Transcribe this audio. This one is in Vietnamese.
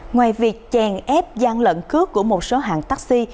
ngoài việc chèn ép gian lận cướp của một số hãng taxi